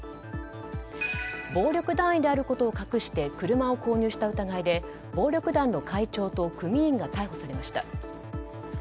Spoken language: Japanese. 暴力団員であることを隠して車を購入した疑いで暴力団の会長と組員が逮捕されました。